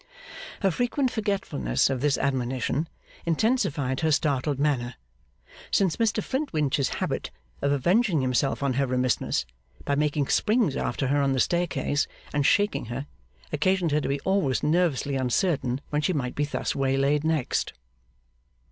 Her frequent forgetfulness of this admonition intensified her startled manner, since Mr Flintwinch's habit of avenging himself on her remissness by making springs after her on the staircase, and shaking her, occasioned her to be always nervously uncertain when she might be thus waylaid next.